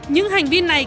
những hành vi này